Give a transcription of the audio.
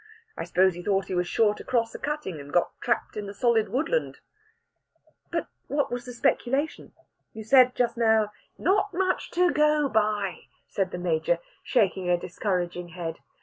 I suppose he thought he was sure to cross a cutting, and got trapped in the solid woodland." "But what was the speculation? You said just now...." "Not much to go by," said the Major, shaking a discouraging head.